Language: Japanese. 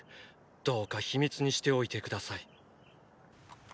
どうか秘密にしておいて下さい。